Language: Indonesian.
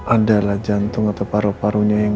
adalah jantung atau paru parunya yang